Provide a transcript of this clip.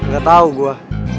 gak tau gue